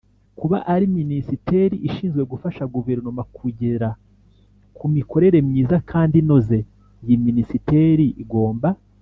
Kuba ari Minisiteri ishinzwe gufasha Guverinoma kugera ku mikorere myiza kandi inoze iyi Minisiteri igomba